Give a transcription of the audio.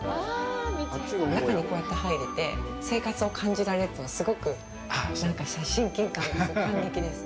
中にこうやって入れて生活を感じられるというのはすごくなんか親近感です。